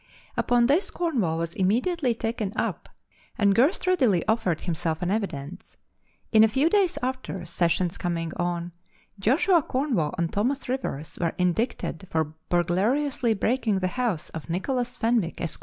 Upon this Cornwall was immediately taken up and Girst readily offered himself an evidence. In a few days after, sessions coming on, Joshua Cornwall and Thomas Rivers were indicted for burglariously breaking the house of Nicholas Fenwick, Esq.